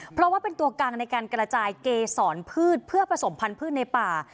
เพราะว่าเป็นตัวกลางในการกระจายเกษรพืชเพื่อผสมพันธุ์ในป่า